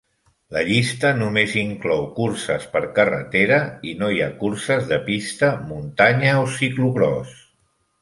La llista només inclou curses per carretera i no hi ha curses de pista, muntanya o ciclocròs.